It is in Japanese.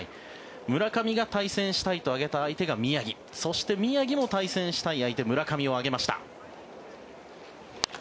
村上が対戦したいと挙げた相手が宮城そして宮城も対戦したい相手村上を挙げました。